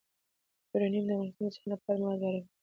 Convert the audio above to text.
یورانیم د افغانستان د صنعت لپاره مواد برابروي.